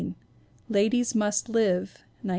Ladies Must Live, 1917.